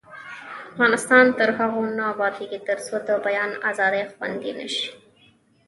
افغانستان تر هغو نه ابادیږي، ترڅو د بیان ازادي خوندي نشي.